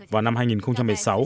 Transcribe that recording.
vào năm hai nghìn một mươi sáu